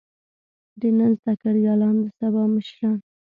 د نن زده کړيالان د سبا مشران.